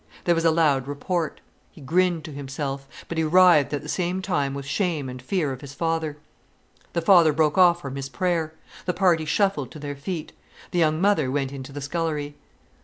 There was a loud report. He grinned to himself. But he writhed at the same time with shame and fear of his father. The father broke off from his prayer; the party shuffled to their feet. The young mother went into the scullery.